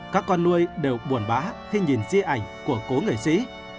các con nuôi đều buồn bã khi nhìn di ảnh của cố nghệ sĩ